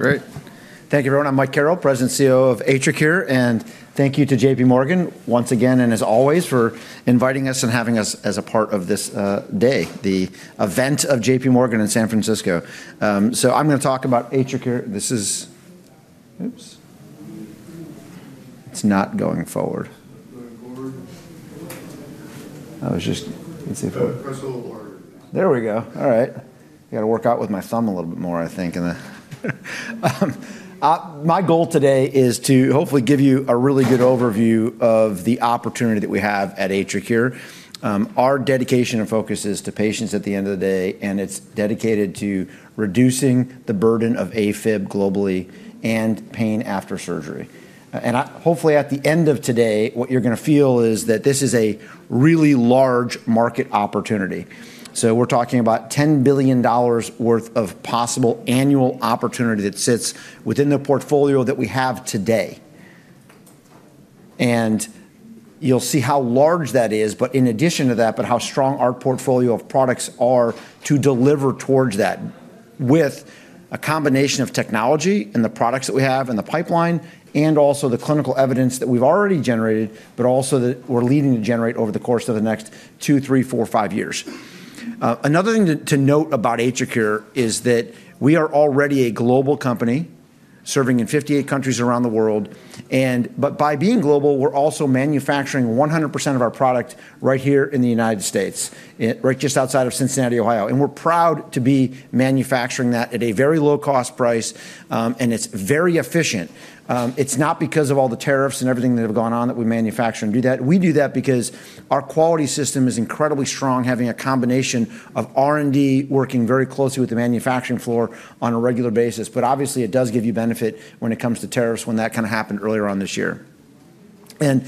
Great. Thank you, everyone. I'm Mike Carrel, President and CEO of AtriCure, and thank you to JPMorgan once again, and as always, for inviting us and having us as a part of this day, the event of JPMorgan in San Francisco. So I'm going to talk about AtriCure. This is. Oops. It's not going forward. I was just. Let's see if I. Press a little harder. There we go. All right. I got to work out with my thumb a little bit more, I think. My goal today is to hopefully give you a really good overview of the opportunity that we have at AtriCure. Our dedication and focus is to patients at the end of the day, and it's dedicated to reducing the burden of AFib globally and pain after surgery, and hopefully, at the end of today, what you're going to feel is that this is a really large market opportunity, so we're talking about $10 billion worth of possible annual opportunity that sits within the portfolio that we have today. You'll see how large that is, but in addition to that, how strong our portfolio of products are to deliver towards that with a combination of technology and the products that we have in the pipeline, and also the clinical evidence that we've already generated, but also that we're leading to generate over the course of the next two, three, four, five years. Another thing to note about AtriCure is that we are already a global company serving in 58 countries around the world. By being global, we're also manufacturing 100% of our product right here in the United States, right just outside of Cincinnati, Ohio. We're proud to be manufacturing that at a very low-cost price, and it's very efficient. It's not because of all the tariffs and everything that have gone on that we manufacture and do that. We do that because our quality system is incredibly strong, having a combination of R&D working very closely with the manufacturing floor on a regular basis, but obviously it does give you benefit when it comes to tariffs when that kind of happened earlier on this year, and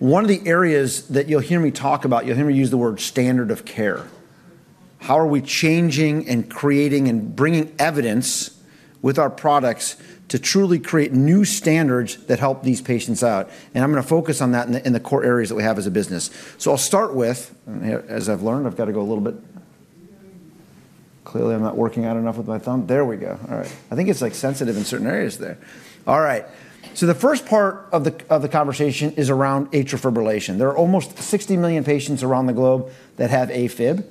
one of the areas that you'll hear me talk about, you'll hear me use the word standard of care. How are we changing and creating and bringing evidence with our products to truly create new standards that help these patients out? and I'm going to focus on that in the core areas that we have as a business, so I'll start with, as I've learned, I've got to go a little bit, clearly I'm not working out enough with my thumb. There we go. All right. I think it's like sensitive in certain areas there. All right. The first part of the conversation is around atrial fibrillation. There are almost 60 million patients around the globe that have AFib.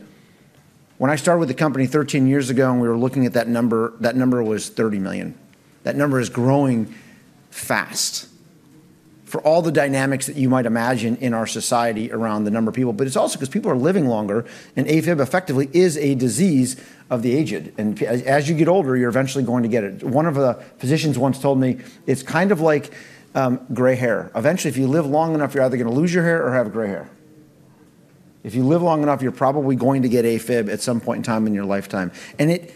When I started with the company 13 years ago, and we were looking at that number, that number was 30 million. That number is growing fast for all the dynamics that you might imagine in our society around the number of people. But it's also because people are living longer, and AFib effectively is a disease of the aged. And as you get older, you're eventually going to get it. One of the physicians once told me, "It's kind of like gray hair. Eventually, if you live long enough, you're either going to lose your hair or have gray hair. If you live long enough, you're probably going to get AFib at some point in time in your lifetime," and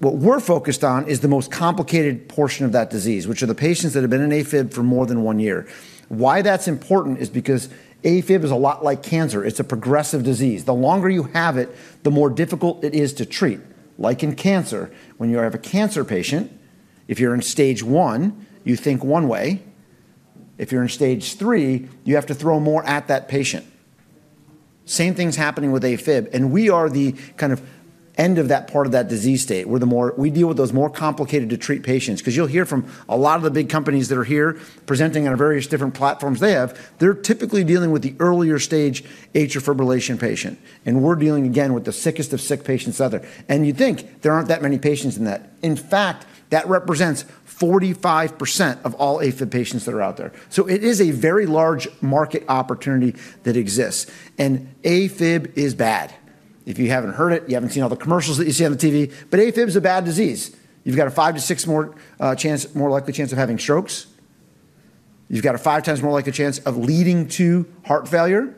what we're focused on is the most complicated portion of that disease, which are the patients that have been in AFib for more than one year. Why that's important is because AFib is a lot like cancer. It's a progressive disease. The longer you have it, the more difficult it is to treat. Like in cancer, when you have a cancer patient, if you're in stage one, you think one way. If you're in stage three, you have to throw more at that patient. Same thing's happening with AFib. And we are the kind of end of that part of that disease state. We deal with those more complicated-to-treat patients. Because you'll hear from a lot of the big companies that are here presenting on various different platforms they have. They're typically dealing with the earlier stage Atrial Fibrillation patient. We're dealing, again, with the sickest of sick patients out there. You'd think there aren't that many patients in that. In fact, that represents 45% of all AFib patients that are out there. It is a very large market opportunity that exists. AFib is bad. If you haven't heard it, you haven't seen all the commercials that you see on the TV. AFib is a bad disease. You've got a five to six times more likely chance of having strokes. You've got a five times more likely chance of leading to heart failure.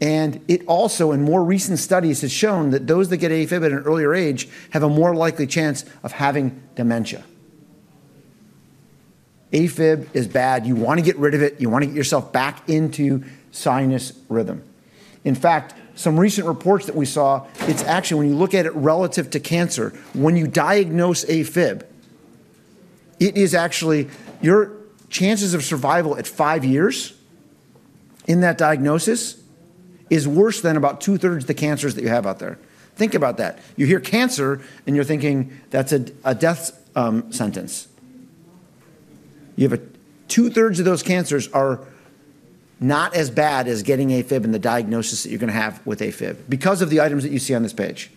It also, in more recent studies, has shown that those that get AFib at an earlier age have a more likely chance of having dementia. AFib is bad. You want to get rid of it. You want to get yourself back into sinus rhythm. In fact, some recent reports that we saw, it's actually when you look at it relative to cancer, when you diagnose AFib, it is actually your chances of survival at five years in that diagnosis is worse than about two-thirds of the cancers that you have out there. Think about that. You hear cancer, and you're thinking that's a death sentence. Two-thirds of those cancers are not as bad as getting AFib and the diagnosis that you're going to have with AFib because of the items that you see on this page.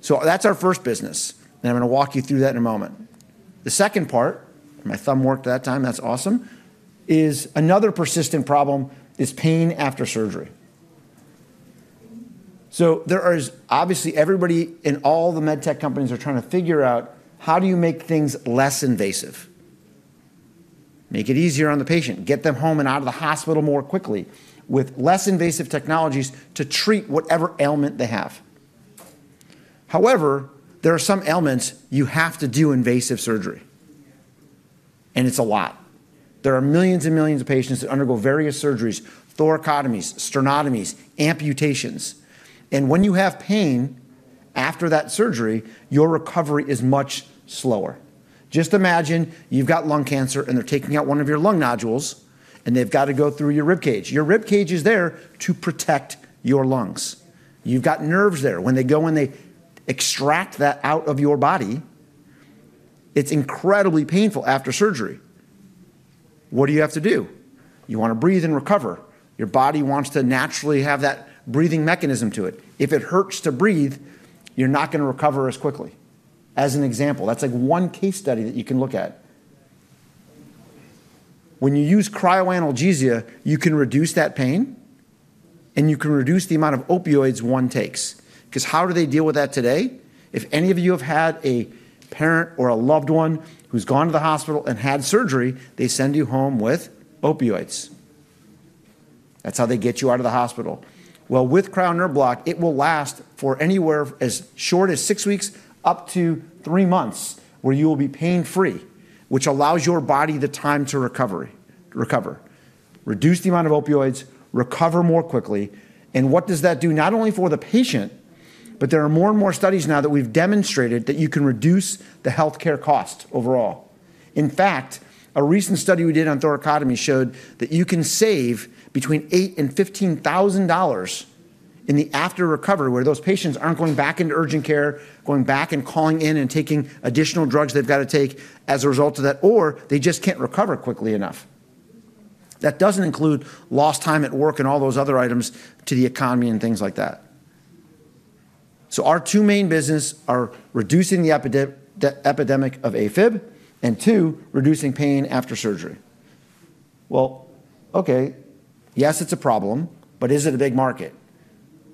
So that's our first business. I'm going to walk you through that in a moment. The second part, my thumb worked that time. That's awesome, is another persistent problem: pain after surgery. Obviously, everybody in all the med tech companies are trying to figure out how do you make things less invasive, make it easier on the patient, get them home and out of the hospital more quickly with less invasive technologies to treat whatever ailment they have. However, there are some ailments you have to do invasive surgery. It's a lot. There are millions and millions of patients that undergo various surgeries: thoracotomies, sternotomies, amputations. When you have pain after that surgery, your recovery is much slower. Just imagine you've got lung cancer, and they're taking out one of your lung nodules, and they've got to go through your rib cage. Your rib cage is there to protect your lungs. You've got nerves there. When they go and they extract that out of your body, it's incredibly painful after surgery. What do you have to do? You want to breathe and recover. Your body wants to naturally have that breathing mechanism to it. If it hurts to breathe, you're not going to recover as quickly. As an example, that's like one case study that you can look at. When you use cryoanalgesia, you can reduce that pain, and you can reduce the amount of opioids one takes. Because how do they deal with that today? If any of you have had a parent or a loved one who's gone to the hospital and had surgery, they send you home with opioids. That's how they get you out of the hospital. With cryo nerve block, it will last for anywhere as short as six weeks up to three months where you will be pain-free, which allows your body the time to recover. Reduce the amount of opioids, recover more quickly. What does that do? Not only for the patient, but there are more and more studies now that we've demonstrated that you can reduce the healthcare cost overall. In fact, a recent study we did on thoracotomy showed that you can save between $8,000 and $15,000 in the after recovery where those patients aren't going back into urgent care, going back and calling in and taking additional drugs they've got to take as a result of that, or they just can't recover quickly enough. That doesn't include lost time at work and all those other items to the economy and things like that. Our two main businesses are reducing the epidemic of AFib and, two, reducing pain after surgery. Well, okay. Yes, it's a problem, but is it a big market?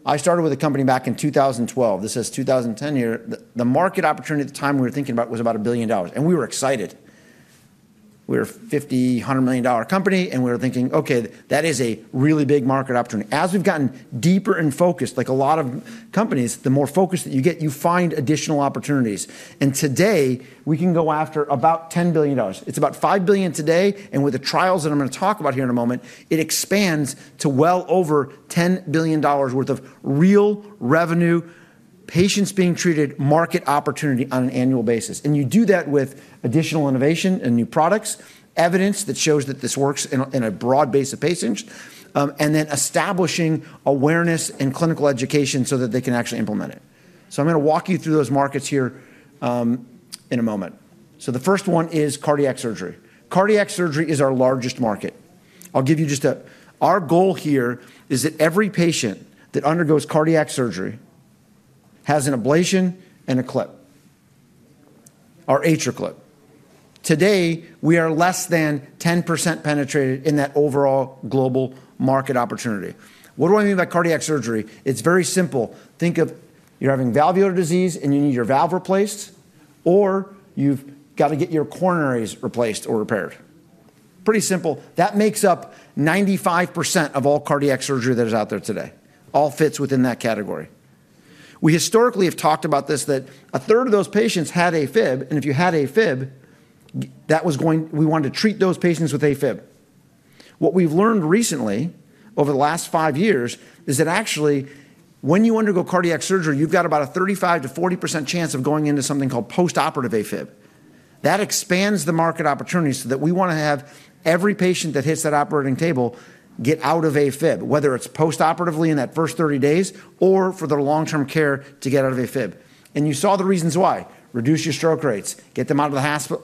I started with a company back in 2012. This is 2010 here. The market opportunity at the time we were thinking about was about $1 billion. And we were excited. We were a $50-$100 million company, and we were thinking, "Okay, that is a really big market opportunity." As we've gotten deeper and focused, like a lot of companies, the more focused that you get, you find additional opportunities. And today, we can go after about $10 billion. It's about $5 billion today. And with the trials that I'm going to talk about here in a moment, it expands to well over $10 billion worth of real revenue, patients being treated, market opportunity on an annual basis. And you do that with additional innovation and new products, evidence that shows that this works in a broad base of patients, and then establishing awareness and clinical education so that they can actually implement it. So I'm going to walk you through those markets here in a moment. So the first one is cardiac surgery. Cardiac surgery is our largest market. I'll give you our goal here is that every patient that undergoes cardiac surgery has an ablation and a clip, our atrial clip. Today, we are less than 10% penetrated in that overall global market opportunity. What do I mean by cardiac surgery? It's very simple. Think of you're having valvular disease and you need your valve replaced, or you've got to get your coronaries replaced or repaired. Pretty simple. That makes up 95% of all cardiac surgery that is out there today. All fits within that category. We historically have talked about this, that a third of those patients had AFib. And if you had AFib, we wanted to treat those patients with AFib. What we've learned recently over the last five years is that actually, when you undergo cardiac surgery, you've got about a 35%-40% chance of going into something called postoperative AFib. That expands the market opportunity so that we want to have every patient that hits that operating table get out of AFib, whether it's postoperatively in that first 30 days or for their long-term care to get out of AFib. And you saw the reasons why: reduce your stroke rates, get them out of the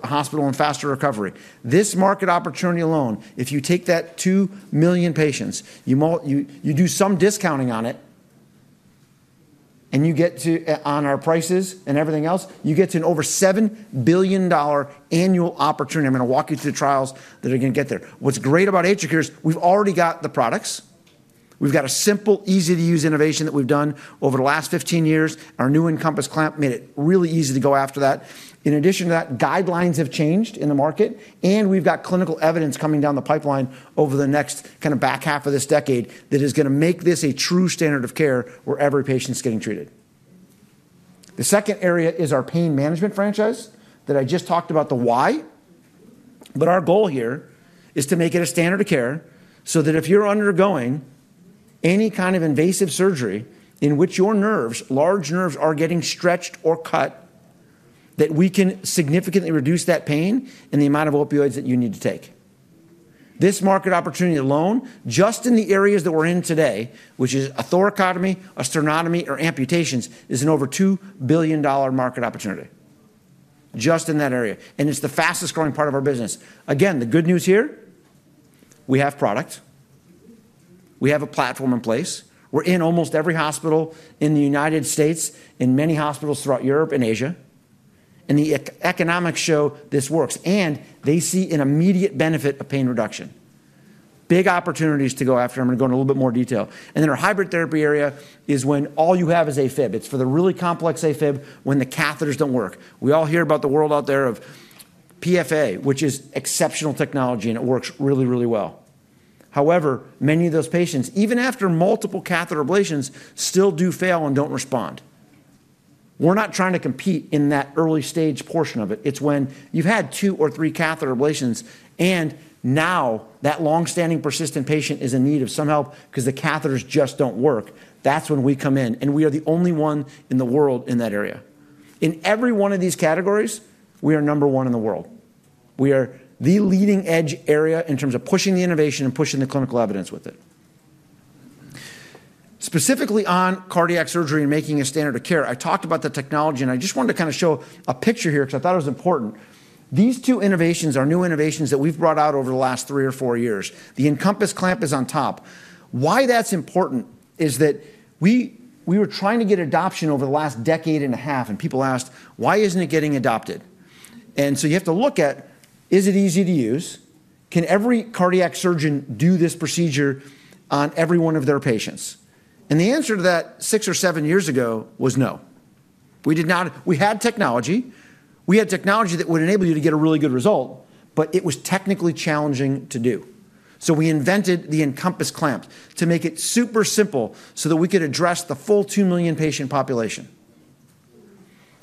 hospital in faster recovery. This market opportunity alone, if you take that two million patients, you do some discounting on it, and you get to, on our prices and everything else, you get to an over $7 billion annual opportunity. I'm going to walk you through the trials that are going to get there. What's great about AtriCure is we've already got the products. We've got a simple, easy-to-use innovation that we've done over the last 15 years. Our new EnCompass Clamp made it really easy to go after that. In addition to that, guidelines have changed in the market, and we've got clinical evidence coming down the pipeline over the next kind of back half of this decade that is going to make this a true standard of care where every patient's getting treated. The second area is our pain management franchise that I just talked about the why. But our goal here is to make it a standard of care so that if you're undergoing any kind of invasive surgery in which your nerves, large nerves, are getting stretched or cut, that we can significantly reduce that pain and the amount of opioids that you need to take. This market opportunity alone, just in the areas that we're in today, which is a thoracotomy, a sternotomy, or amputations, is an over $2 billion market opportunity just in that area. And it's the fastest growing part of our business. Again, the good news here, we have product. We have a platform in place. We're in almost every hospital in the United States, in many hospitals throughout Europe and Asia. And the economics show this works. And they see an immediate benefit of pain reduction. Big opportunities to go after. I'm going to go into a little bit more detail. And then our hybrid therapy area is when all you have is AFib. It's for the really complex AFib when the catheters don't work. We all hear about the world out there of PFA, which is exceptional technology, and it works really, really well. However, many of those patients, even after multiple catheter ablations, still do fail and don't respond. We're not trying to compete in that early stage portion of it. It's when you've had two or three catheter ablations, and now that long-standing persistent patient is in need of some help because the catheters just don't work. That's when we come in. And we are the only one in the world in that area. In every one of these categories, we are number one in the world. We are the leading-edge area in terms of pushing the innovation and pushing the clinical evidence with it. Specifically on cardiac surgery and making a standard of care, I talked about the technology, and I just wanted to kind of show a picture here because I thought it was important. These two innovations are new innovations that we've brought out over the last three or four years. The EnCompass Clamp is on top. Why that's important is that we were trying to get adoption over the last decade and a half, and people asked, "Why isn't it getting adopted?" And so you have to look at, is it easy to use? Can every cardiac surgeon do this procedure on every one of their patients? And the answer to that six or seven years ago was no. We had technology. We had technology that would enable you to get a really good result, but it was technically challenging to do. So we invented the EnCompass Clamp to make it super simple so that we could address the full 2 million patient population.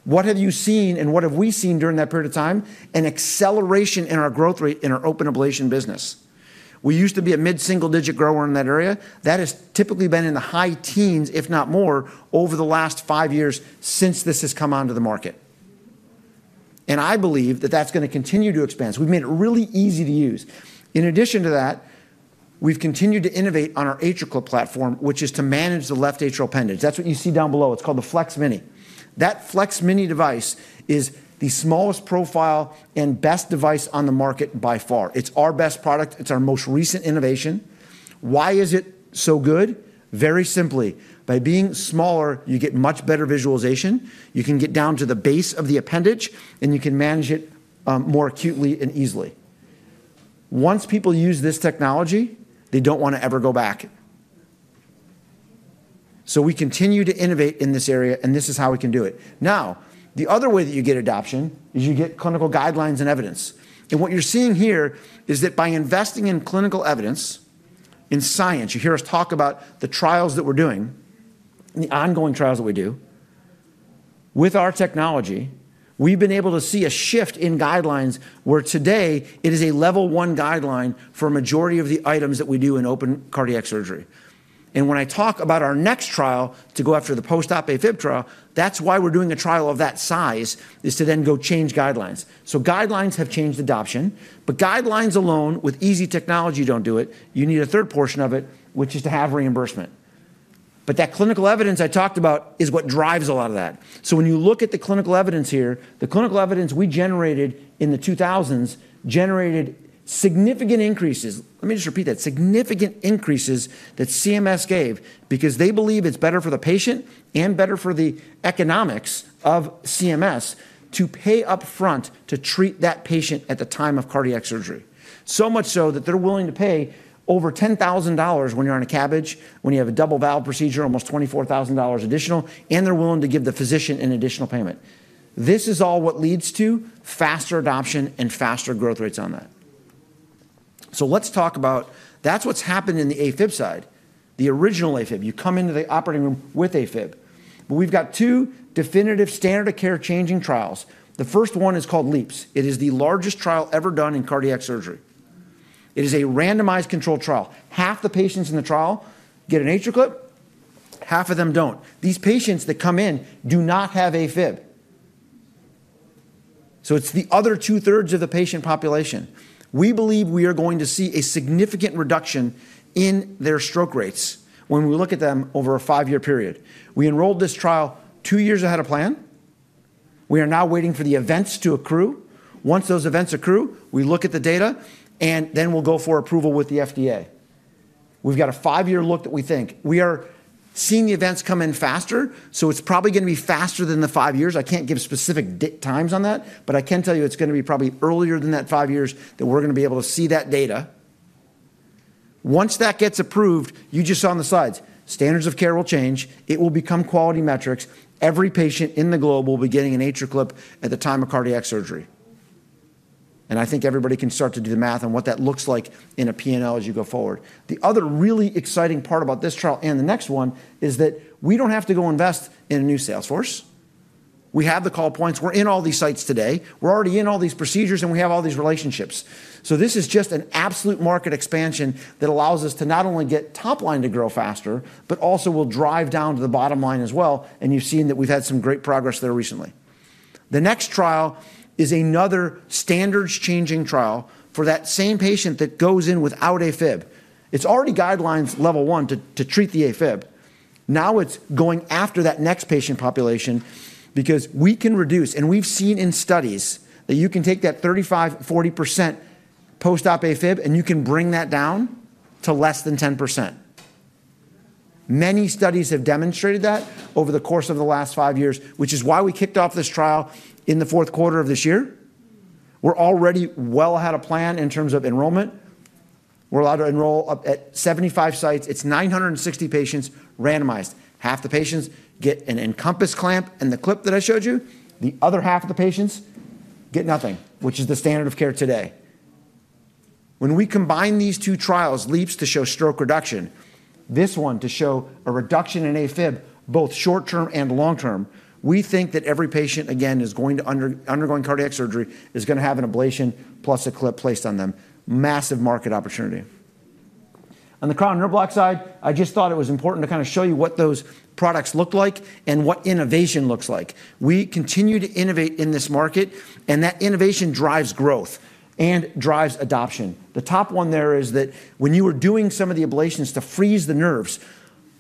What have you seen and what have we seen during that period of time? An acceleration in our growth rate in our open ablation business. We used to be a mid-single-digit grower in that area. That has typically been in the high teens, if not more, over the last five years since this has come onto the market. And I believe that that's going to continue to expand. So we've made it really easy to use. In addition to that, we've continued to innovate on our atrial clip platform, which is to manage the left atrial appendage. That's what you see down below. It's called the Flex Mini. That Flex Mini device is the smallest profile and best device on the market by far. It's our best product. It's our most recent innovation. Why is it so good? Very simply, by being smaller, you get much better visualization. You can get down to the base of the appendage, and you can manage it more acutely and easily. Once people use this technology, they don't want to ever go back. So we continue to innovate in this area, and this is how we can do it. Now, the other way that you get adoption is you get clinical guidelines and evidence. And what you're seeing here is that by investing in clinical evidence, in science, you hear us talk about the trials that we're doing, the ongoing trials that we do. With our technology, we've been able to see a shift in guidelines where today it is a level one guideline for a majority of the items that we do in open cardiac surgery. When I talk about our next trial to go after the post-op AFib trial, that's why we're doing a trial of that size, is to then go change guidelines. Guidelines have changed adoption, but guidelines alone with easy technology don't do it. You need a third portion of it, which is to have reimbursement. That clinical evidence I talked about is what drives a lot of that. When you look at the clinical evidence here, the clinical evidence we generated in the 2000s generated significant increases. Let me just repeat that: significant increases that CMS gave because they believe it's better for the patient and better for the economics of CMS to pay upfront to treat that patient at the time of cardiac surgery. So much so that they're willing to pay over $10,000 when you're on a CABG, when you have a double valve procedure, almost $24,000 additional, and they're willing to give the physician an additional payment. This is all what leads to faster adoption and faster growth rates on that. So let's talk about that. That's what's happened in the AFib side, the original AFib. You come into the operating room with AFib. But we've got two definitive standard of care changing trials. The first one is called LeAAPS. It is the largest trial ever done in cardiac surgery. It is a randomized controlled trial. Half the patients in the trial get an AtriClip. Half of them don't. These patients that come in do not have AFib. So it's the other two-thirds of the patient population. We believe we are going to see a significant reduction in their stroke rates when we look at them over a five-year period. We enrolled this trial two years ahead of plan. We are now waiting for the events to accrue. Once those events accrue, we look at the data, and then we'll go for approval with the FDA. We've got a five-year look that we think. We are seeing the events come in faster, so it's probably going to be faster than the five years. I can't give specific times on that, but I can tell you it's going to be probably earlier than that five years that we're going to be able to see that data. Once that gets approved, you just saw on the slides, standards of care will change. It will become quality metrics. Every patient in the globe will be getting an atrial clip at the time of cardiac surgery. I think everybody can start to do the math on what that looks like in a P&L as you go forward. The other really exciting part about this trial and the next one is that we don't have to go invest in a new sales force. We have the call points. We're in all these sites today. We're already in all these procedures, and we have all these relationships. So this is just an absolute market expansion that allows us to not only get top line to grow faster, but also will drive down to the bottom line as well. You've seen that we've had some great progress there recently. The next trial is another standards-changing trial for that same patient that goes in without AFib. It's already guidelines level one to treat the AFib. Now it's going after that next patient population because we can reduce, and we've seen in studies that you can take that 35%, 40% post-op AFib, and you can bring that down to less than 10%. Many studies have demonstrated that over the course of the last five years, which is why we kicked off this trial in the fourth quarter of this year. We're already well ahead of plan in terms of enrollment. We're allowed to enroll up at 75 sites. It's 960 patients randomized. Half the patients get an EnCompass Clamp and the clip that I showed you. The other half of the patients get nothing, which is the standard of care today. When we combine these two trials, LeAAPS to show stroke reduction, this one to show a reduction in AFib, both short-term and long-term, we think that every patient again undergoing cardiac surgery is going to have an ablation plus a clip placed on them. Massive market opportunity. On the cryo nerve block side, I just thought it was important to kind of show you what those products look like and what innovation looks like. We continue to innovate in this market, and that innovation drives growth and drives adoption. The top one there is that when you were doing some of the ablations to freeze the nerves,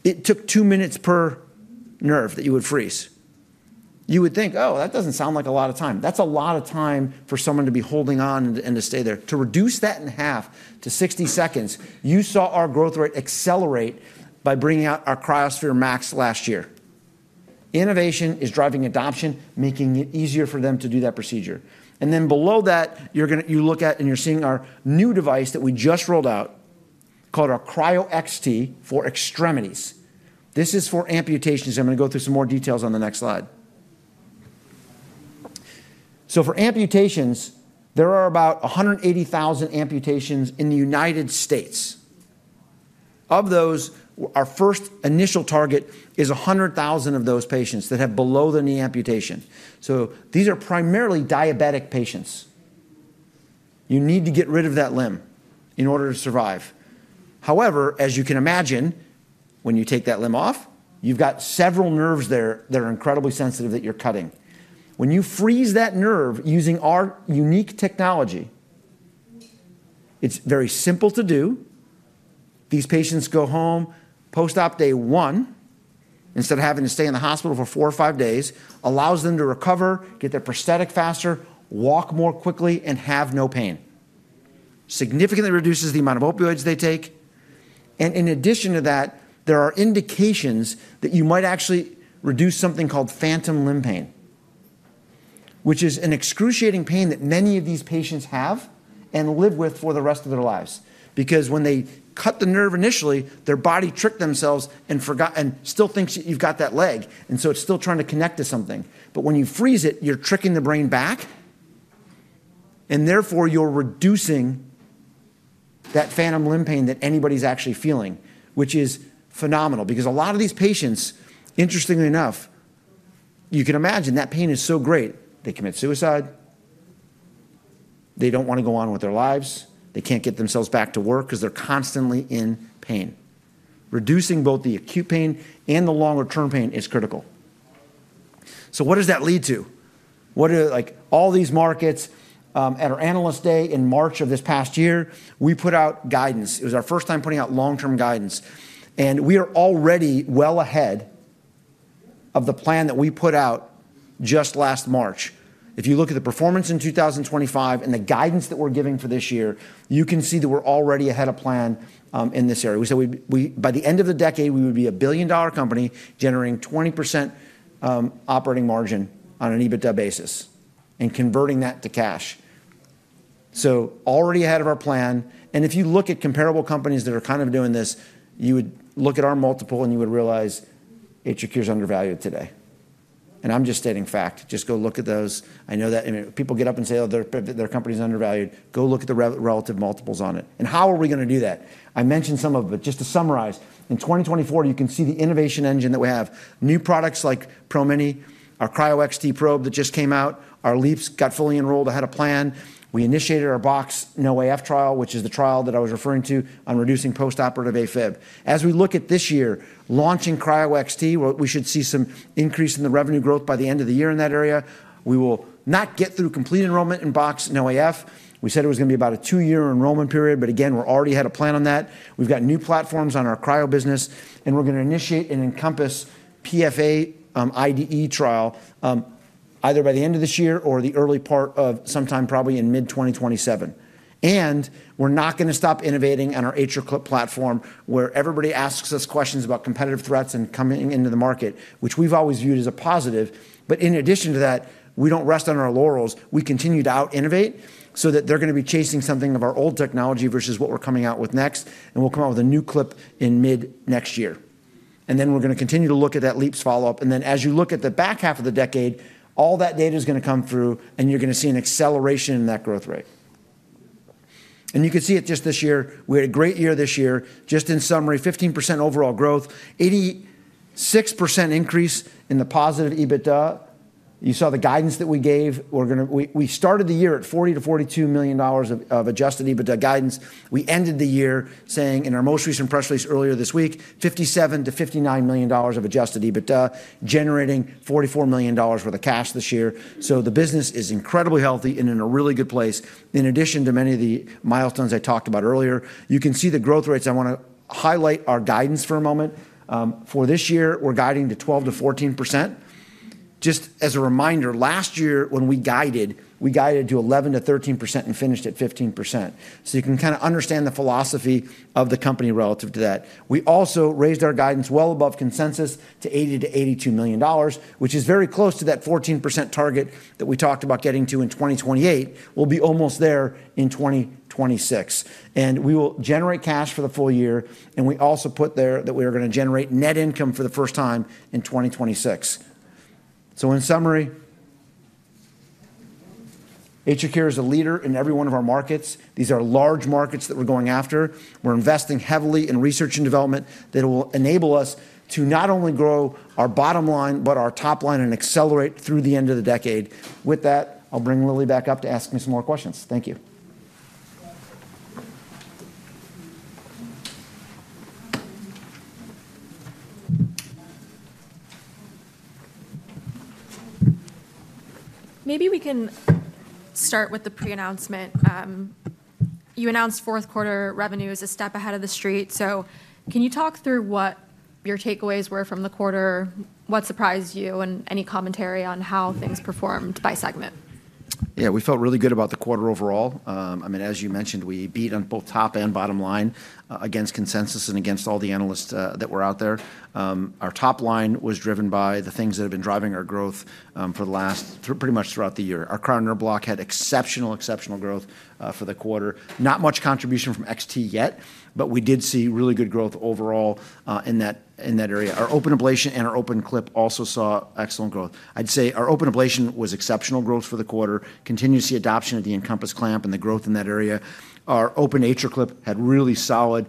it took two minutes per nerve that you would freeze. You would think, "Oh, that doesn't sound like a lot of time." That's a lot of time for someone to be holding on and to stay there. To reduce that in half to 60 seconds, you saw our growth rate accelerate by bringing out our cryoSPHERE MAX last year. Innovation is driving adoption, making it easier for them to do that procedure. And then below that, you look at and you're seeing our new device that we just rolled out called our Cryo XT for extremities. This is for amputations. I'm going to go through some more details on the next slide. So for amputations, there are about 180,000 amputations in the United States. Of those, our first initial target is 100,000 of those patients that have below-the-knee amputation. So these are primarily diabetic patients. You need to get rid of that limb in order to survive. However, as you can imagine, when you take that limb off, you've got several nerves there that are incredibly sensitive that you're cutting. When you freeze that nerve using our unique technology, it's very simple to do. These patients go home post-op day one instead of having to stay in the hospital for four or five days, allows them to recover, get their prosthetic faster, walk more quickly, and have no pain. Significantly reduces the amount of opioids they take, and in addition to that, there are indications that you might actually reduce something called phantom limb pain, which is an excruciating pain that many of these patients have and live with for the rest of their lives. Because when they cut the nerve initially, their body tricked themselves and still thinks you've got that leg, and so it's still trying to connect to something. But when you freeze it, you're tricking the brain back, and therefore, you're reducing that phantom limb pain that anybody's actually feeling, which is phenomenal. Because a lot of these patients, interestingly enough, you can imagine that pain is so great, they commit suicide. They don't want to go on with their lives. They can't get themselves back to work because they're constantly in pain. Reducing both the acute pain and the longer-term pain is critical. So what does that lead to? All these markets, at our analyst day in March of this past year, we put out guidance. It was our first time putting out long-term guidance, and we are already well ahead of the plan that we put out just last March. If you look at the performance in 2025 and the guidance that we're giving for this year, you can see that we're already ahead of plan in this area. We said by the end of the decade, we would be a billion-dollar company generating 20% operating margin on an EBITDA basis and converting that to cash, so already ahead of our plan. If you look at comparable companies that are kind of doing this, you would look at our multiple and you would realize AtriCure is undervalued today, and I'm just stating fact. Just go look at those. I know that people get up and say their company's undervalued. Go look at the relative multiples on it, and how are we going to do that? I mentioned some of it, but just to summarize, in 2024, you can see the innovation engine that we have. New products like Pro Mini, our Cryo XT probe that just came out. Our LeAAPS got fully enrolled ahead of plan. We initiated our BOX-NO-AF trial, which is the trial that I was referring to on reducing postoperative AFib. As we look at this year, launching Cryo XT, we should see some increase in the revenue growth by the end of the year in that area. We will not get through complete enrollment in BOX-NO-AF. We said it was going to be about a two-year enrollment period, but again, we're already ahead of plan on that. We've got new platforms on our cryo business, and we're going to initiate an EnCompass PFA IDE trial either by the end of this year or the early part of sometime probably in mid-2027. We're not going to stop innovating on our atrial clip platform where everybody asks us questions about competitive threats and coming into the market, which we've always viewed as a positive. In addition to that, we don't rest on our laurels. We continue to out-innovate so that they're going to be chasing something of our old technology versus what we're coming out with next. And we'll come out with a new clip in mid-next year. And then we're going to continue to look at that LeAAPS follow-up. And then as you look at the back half of the decade, all that data is going to come through, and you're going to see an acceleration in that growth rate. And you can see it just this year. We had a great year this year. Just in summary, 15% overall growth, 86% increase in the positive EBITDA. You saw the guidance that we gave. We started the year at $40-$42 million of adjusted EBITDA guidance. We ended the year saying in our most recent press release earlier this week, $57-$59 million of adjusted EBITDA, generating $44 million worth of cash this year. So the business is incredibly healthy and in a really good place. In addition to many of the milestones I talked about earlier, you can see the growth rates. I want to highlight our guidance for a moment. For this year, we're guiding to 12%-14%. Just as a reminder, last year when we guided, we guided to 11%-13% and finished at 15%. So you can kind of understand the philosophy of the company relative to that. We also raised our guidance well above consensus to $80-$82 million, which is very close to that 14% target that we talked about getting to in 2028. We'll be almost there in 2026. We will generate cash for the full year. We also put there that we are going to generate net income for the first time in 2026. In summary, AtriCure is a leader in every one of our markets. These are large markets that we're going after. We're investing heavily in research and development that will enable us to not only grow our bottom line, but our top line and accelerate through the end of the decade. With that, I'll bring Lily back up to ask me some more questions. Thank you. Maybe we can start with the pre-announcement. You announced fourth quarter revenues a step ahead of the street. So can you talk through what your takeaways were from the quarter? What surprised you and any commentary on how things performed by segment? Yeah, we felt really good about the quarter overall. I mean, as you mentioned, we beat on both top and bottom line against consensus and against all the analysts that were out there. Our top line was driven by the things that have been driving our growth for the last pretty much throughout the year. Our cryo and nerve block had exceptional, exceptional growth for the quarter. Not much contribution from XT yet, but we did see really good growth overall in that area. Our open ablation and our open clip also saw excellent growth. I'd say our open ablation was exceptional growth for the quarter. Continued to see adoption of the EnCompass Clamp and the growth in that area. Our open atrial clip had really solid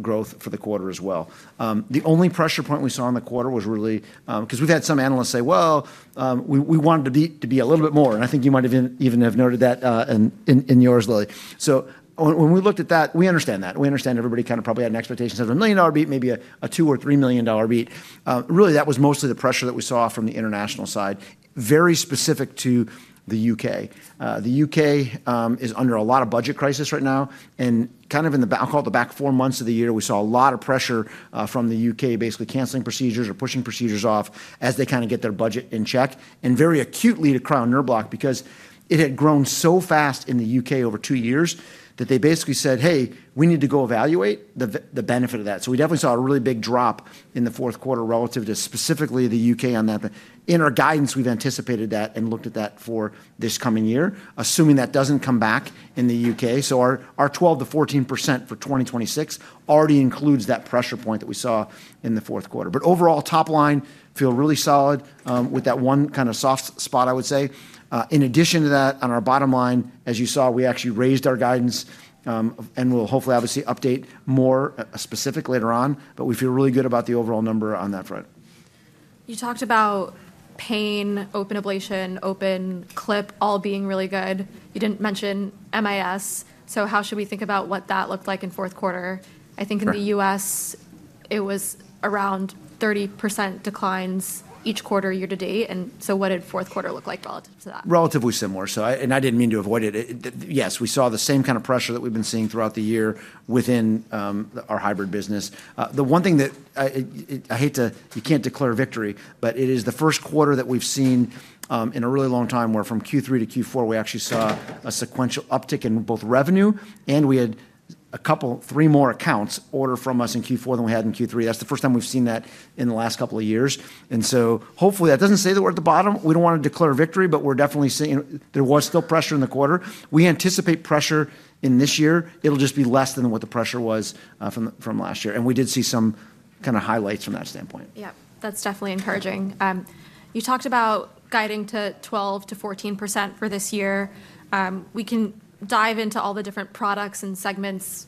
growth for the quarter as well. The only pressure point we saw in the quarter was really because we've had some analysts say, "Well, we wanted to beat to be a little bit more." And I think you might have even noted that in yours, Lily. So when we looked at that, we understand that. We understand everybody kind of probably had an expectation of a $1 million beat, maybe a $2 or $3 million beat. Really, that was mostly the pressure that we saw from the international side, very specific to the U.K. The U.K. is under a lot of budget crisis right now. And kind of in the I'll call it the back four months of the year, we saw a lot of pressure from the U.K., basically canceling procedures or pushing procedures off as they kind of get their budget in check. Very acutely to cryo nerve block because it had grown so fast in the U.K. over two years that they basically said, "Hey, we need to go evaluate the benefit of that." So we definitely saw a really big drop in the fourth quarter relative to specifically the U.K. on that. In our guidance, we've anticipated that and looked at that for this coming year, assuming that doesn't come back in the U.K. So our 12%-14% for 2026 already includes that pressure point that we saw in the fourth quarter. But overall, top line feel really solid with that one kind of soft spot, I would say. In addition to that, on our bottom line, as you saw, we actually raised our guidance and we'll hopefully, obviously, update more specific later on. But we feel really good about the overall number on that front. You talked about pain, open ablation, open clip all being really good. You didn't mention MIS, so how should we think about what that looked like in fourth quarter? I think in the U.S., it was around 30% declines each quarter year to date, and so what did fourth quarter look like relative to that? Relatively similar. I didn't mean to avoid it. Yes, we saw the same kind of pressure that we've been seeing throughout the year within our hybrid business. The one thing that I hate to, you can't declare victory, but it is the first quarter that we've seen in a really long time where from Q3 to Q4, we actually saw a sequential uptick in both revenue. We had a couple, three more accounts order from us in Q4 than we had in Q3. That's the first time we've seen that in the last couple of years. So hopefully that doesn't say that we're at the bottom. We don't want to declare victory, but we're definitely saying there was still pressure in the quarter. We anticipate pressure in this year. It'll just be less than what the pressure was from last year. We did see some kind of highlights from that standpoint. Yep. That's definitely encouraging. You talked about guiding to 12%-14% for this year. We can dive into all the different products and segments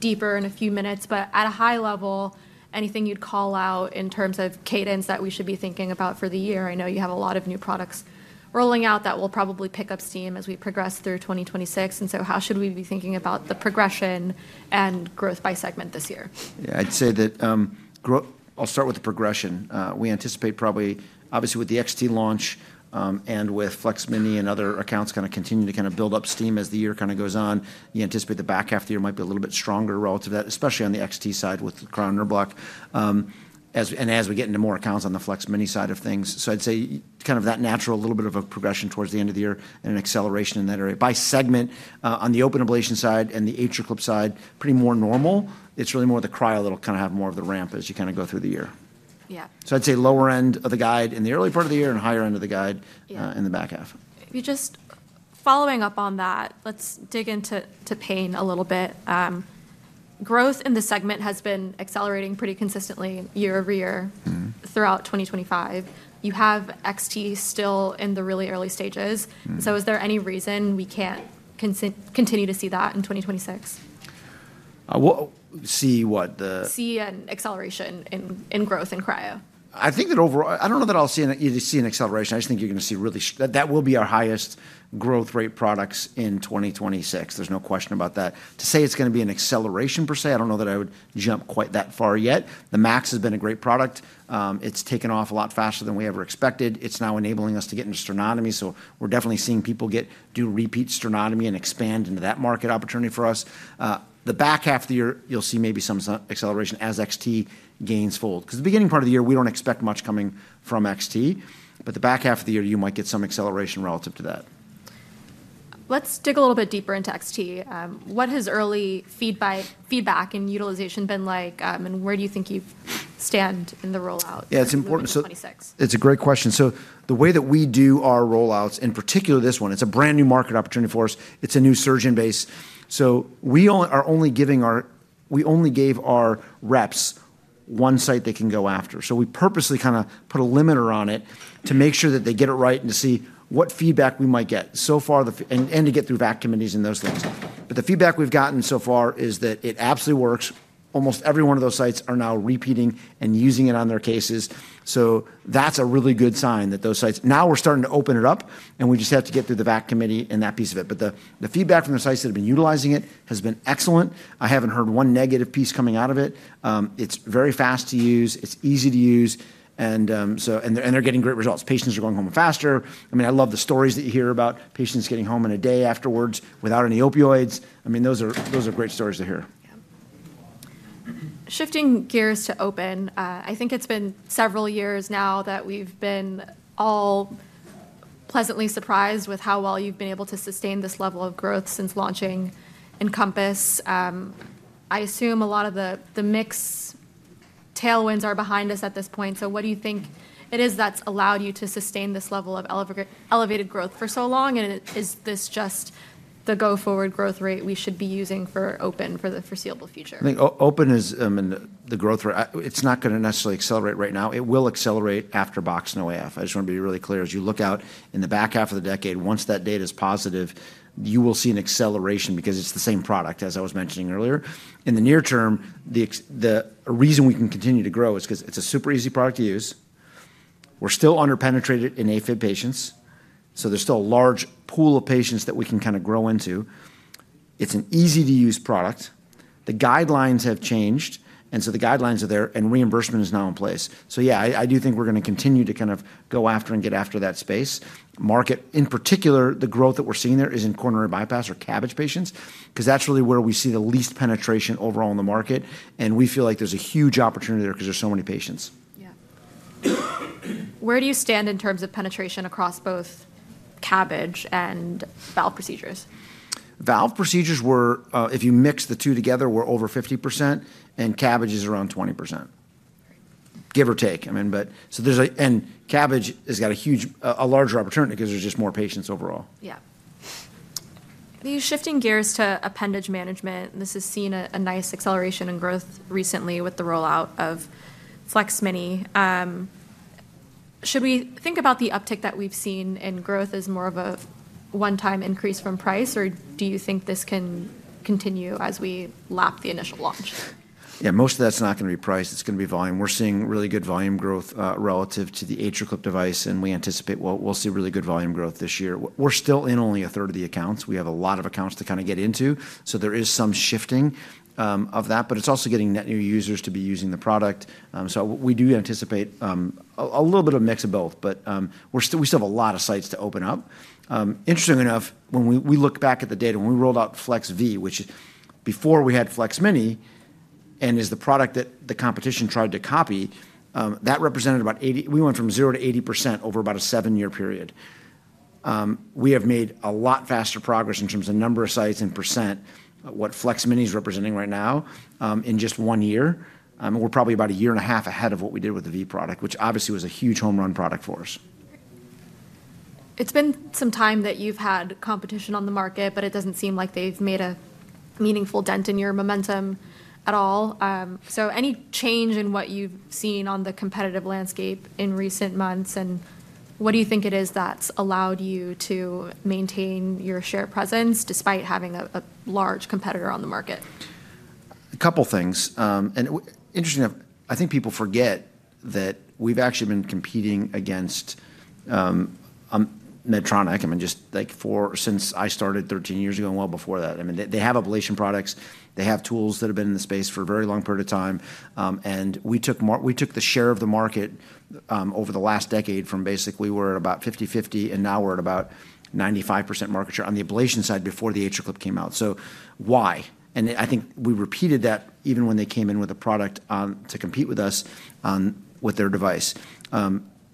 deeper in a few minutes. But at a high level, anything you'd call out in terms of cadence that we should be thinking about for the year? I know you have a lot of new products rolling out that will probably pick up steam as we progress through 2026. And so how should we be thinking about the progression and growth by segment this year? Yeah, I'd say that I'll start with the progression. We anticipate probably, obviously, with the XT launch and with Flex Mini and other accounts kind of continue to kind of build up steam as the year kind of goes on. You anticipate the back half of the year might be a little bit stronger relative to that, especially on the XT side with cryo nerve block and as we get into more accounts on the Flex Mini side of things. So I'd say kind of that natural little bit of a progression towards the end of the year and an acceleration in that area. By segment, on the open ablation side and the atrial clip side, pretty more normal. It's really more the cryo that'll kind of have more of the ramp as you kind of go through the year. Yeah. So I'd say lower end of the guide in the early part of the year and higher end of the guide in the back half. Just following up on that, let's dig into pain a little bit. Growth in the segment has been accelerating pretty consistently year over year throughout 2025. You have XT still in the really early stages. So is there any reason we can't continue to see that in 2026? See what the. See an acceleration in growth in cryo? I think that overall, I don't know that I'll see an acceleration. I just think you're going to see really that will be our highest growth rate products in 2026. There's no question about that. To say it's going to be an acceleration per se, I don't know that I would jump quite that far yet. The max has been a great product. It's taken off a lot faster than we ever expected. It's now enabling us to get into sternotomy. So we're definitely seeing people do repeat sternotomy and expand into that market opportunity for us. The back half of the year, you'll see maybe some acceleration as XT gains a foothold. Because the beginning part of the year, we don't expect much coming from XT. But the back half of the year, you might get some acceleration relative to that. Let's dig a little bit deeper into XT. What has early feedback and utilization been like? And where do you think you stand in the rollout? Yeah, it's important. In 2026? It's a great question. So the way that we do our rollouts, in particular this one, it's a brand new market opportunity for us. It's a new surgeon base. So we only gave our reps one site they can go after. So we purposely kind of put a limiter on it to make sure that they get it right and to see what feedback we might get so far and to get through VAC committees and those things. But the feedback we've gotten so far is that it absolutely works. Almost every one of those sites are now repeating and using it on their cases. So that's a really good sign that those sites now we're starting to open it up and we just have to get through the VAC committee and that piece of it. But the feedback from the sites that have been utilizing it has been excellent. I haven't heard one negative piece coming out of it. It's very fast to use. It's easy to use. And they're getting great results. Patients are going home faster. I mean, I love the stories that you hear about patients getting home in a day afterwards without any opioids. I mean, those are great stories to hear. Yeah. Shifting gears to open, I think it's been several years now that we've been all pleasantly surprised with how well you've been able to sustain this level of growth since launching Encompass. I assume a lot of the mixed tailwinds are behind us at this point. So what do you think it is that's allowed you to sustain this level of elevated growth for so long? And is this just the go-forward growth rate we should be using for open for the foreseeable future? I think open is the growth rate. It's not going to necessarily accelerate right now. It will accelerate after BOX-NO-AF. I just want to be really clear. As you look out in the back half of the decade, once that data is positive, you will see an acceleration because it's the same product, as I was mentioning earlier. In the near term, the reason we can continue to grow is because it's a super easy product to use. We're still underpenetrated in AFib patients. So there's still a large pool of patients that we can kind of grow into. It's an easy-to-use product. The guidelines have changed, and so the guidelines are there and reimbursement is now in place. So yeah, I do think we're going to continue to kind of go after and get after that space. Market, in particular, the growth that we're seeing there is in coronary bypass or CABG patients because that's really where we see the least penetration overall in the market, and we feel like there's a huge opportunity there because there's so many patients. Yeah. Where do you stand in terms of penetration across both CABG and valve procedures? Valve procedures, if you mix the two together, we're over 50% and CABG is around 20%, give or take. I mean, but so there's a, and CABG has got a huge, larger opportunity because there's just more patients overall. Yeah. Shifting gears to appendage management, this has seen a nice acceleration in growth recently with the rollout of Flex Mini. Should we think about the uptick that we've seen in growth as more of a one-time increase from price, or do you think this can continue as we lap the initial launch? Yeah, most of that's not going to be price. It's going to be volume. We're seeing really good volume growth relative to the AtriClip device. And we anticipate we'll see really good volume growth this year. We're still in only a third of the accounts. We have a lot of accounts to kind of get into. So there is some shifting of that. But it's also getting net new users to be using the product. So we do anticipate a little bit of a mix of both. But we still have a lot of sites to open up. Interesting enough, when we look back at the data, when we rolled out Flex, which before we had Flex Mini and is the product that the competition tried to copy, that represented about 80%. We went from 0% to 80% over about a seven-year period. We have made a lot faster progress in terms of the number of sites and % what Flex Mini is representing right now in just one year. We're probably about a year and a half ahead of what we did with the V product, which obviously was a huge home run product for us. It's been some time that you've had competition on the market, but it doesn't seem like they've made a meaningful dent in your momentum at all. So any change in what you've seen on the competitive landscape in recent months? And what do you think it is that's allowed you to maintain your share presence despite having a large competitor on the market? A couple of things, and interesting enough, I think people forget that we've actually been competing against Medtronic. I mean, just like since I started 13 years ago and well before that. I mean, they have ablation products. They have tools that have been in the space for a very long period of time. And we took the share of the market over the last decade from basically we were at about 50-50 and now we're at about 95% market share on the ablation side before the AtriClip came out. So why? And I think we repeated that even when they came in with a product to compete with us with their device.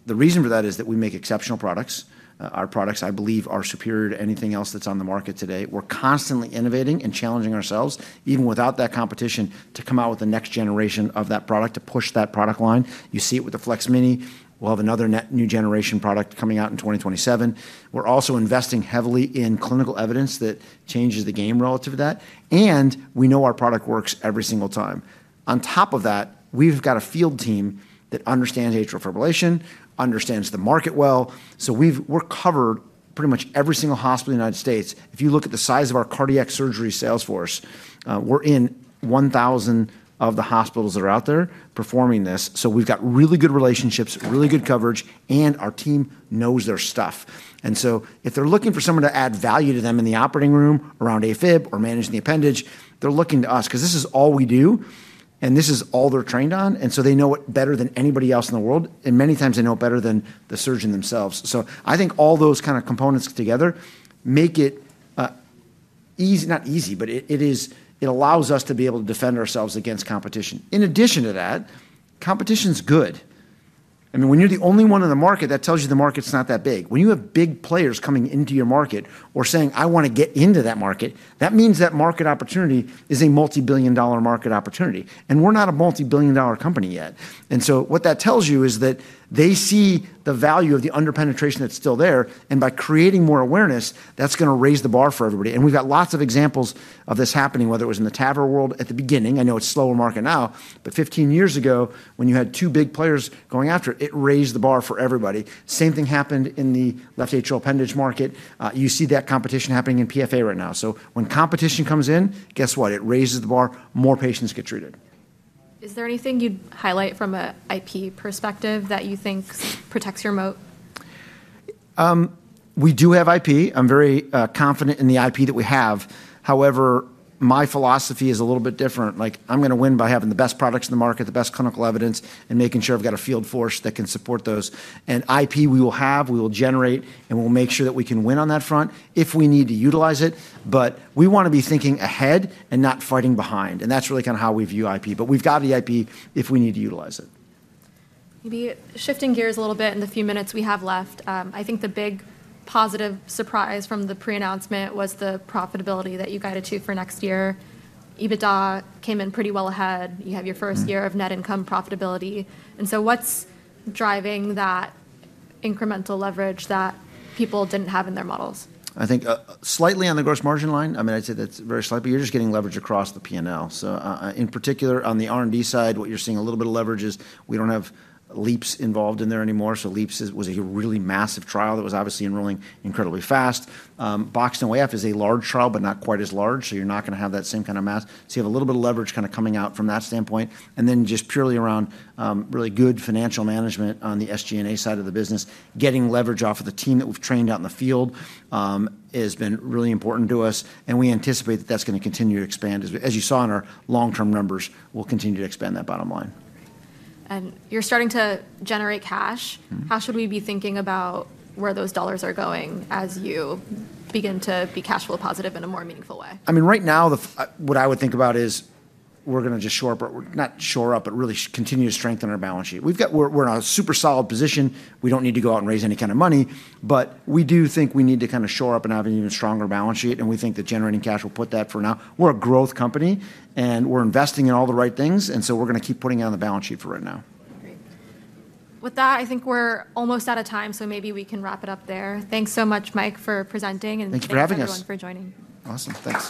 The reason for that is that we make exceptional products. Our products, I believe, are superior to anything else that's on the market today. We're constantly innovating and challenging ourselves, even without that competition, to come out with the next generation of that product to push that product line. You see it with the Flex Mini. We'll have another new generation product coming out in 2027. We're also investing heavily in clinical evidence that changes the game relative to that, and we know our product works every single time. On top of that, we've got a field team that understands atrial fibrillation, understands the market well, so we're covered pretty much every single hospital in the United States. If you look at the size of our cardiac surgery sales force, we're in 1,000 of the hospitals that are out there performing this, so we've got really good relationships, really good coverage, and our team knows their stuff. And so if they're looking for someone to add value to them in the operating room around AFib or managing the appendage, they're looking to us because this is all we do and this is all they're trained on. And so they know it better than anybody else in the world. And many times they know it better than the surgeon themselves. So I think all those kind of components together make it easy, not easy, but it allows us to be able to defend ourselves against competition. In addition to that, competition is good. I mean, when you're the only one in the market, that tells you the market's not that big. When you have big players coming into your market or saying, "I want to get into that market," that means that market opportunity is a multi-billion-dollar market opportunity. And we're not a multi-billion-dollar company yet. And so what that tells you is that they see the value of the underpenetration that's still there. And by creating more awareness, that's going to raise the bar for everybody. And we've got lots of examples of this happening, whether it was in the TAVR world at the beginning. I know it's a slower market now. But 15 years ago, when you had two big players going after it, it raised the bar for everybody. Same thing happened in the left atrial appendage market. You see that competition happening in PFA right now. So when competition comes in, guess what? It raises the bar. More patients get treated. Is there anything you'd highlight from an IP perspective that you think protects your moat? We do have IP. I'm very confident in the IP that we have. However, my philosophy is a little bit different. Like, I'm going to win by having the best products in the market, the best clinical evidence, and making sure I've got a field force that can support those, and IP we will have, we will generate, and we'll make sure that we can win on that front if we need to utilize it, but we want to be thinking ahead and not fighting behind, and that's really kind of how we view IP, but we've got the IP if we need to utilize it. Maybe shifting gears a little bit in the few minutes we have left. I think the big positive surprise from the pre-announcement was the profitability that you guided to for next year. EBITDA came in pretty well ahead. You have your first year of net income profitability. And so what's driving that incremental leverage that people didn't have in their models? I think slightly on the gross margin line. I mean, I'd say that's very slight, but you're just getting leverage across the P&L. So in particular, on the R&D side, what you're seeing a little bit of leverage is we don't have LeAAPS involved in there anymore. So LeAAPS was a really massive trial that was obviously enrolling incredibly fast. BOX-NO-AF is a large trial, but not quite as large. So you're not going to have that same kind of mass. So you have a little bit of leverage kind of coming out from that standpoint. And then just purely around really good financial management on the SG&A side of the business, getting leverage off of the team that we've trained out in the field has been really important to us. And we anticipate that that's going to continue to expand. As you saw in our long-term numbers, we'll continue to expand that bottom line. You're starting to generate cash. How should we be thinking about where those dollars are going as you begin to be cash flow positive in a more meaningful way? I mean, right now, what I would think about is we're going to just shore up, not shore up, but really continue to strengthen our balance sheet. We're in a super solid position. We don't need to go out and raise any kind of money. But we do think we need to kind of shore up and have an even stronger balance sheet. And we think that generating cash will put that for now. We're a growth company and we're investing in all the right things. And so we're going to keep putting it on the balance sheet for right now. With that, I think we're almost out of time. So maybe we can wrap it up there. Thanks so much, Mike, for presenting. Thank you for having us. And thank everyone for joining. Awesome. Thanks.